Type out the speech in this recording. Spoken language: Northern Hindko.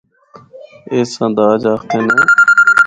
اس آں داج آخدے نے۔